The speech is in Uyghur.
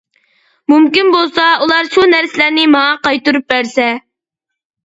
مۇمكىن بولسا ئۇلار شۇ نەرسىلەرنى ماڭا قايتۇرۇپ بەرسە.